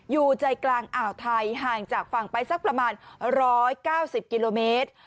อยู่ใจกลางอ่าวไทยห่างจากฝั่งไปสักประมาณ๑๙๐กิโลเมตร